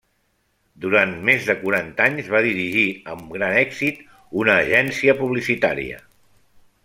Durant més de quaranta anys va dirigir, amb gran èxit, una agència publicitària.